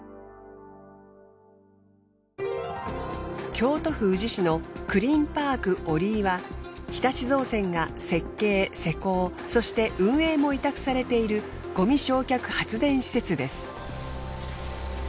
京都府宇治市のクリーンパーク折居は日立造船が設計施工そして運営も委託されているごみ焼却発電施設です。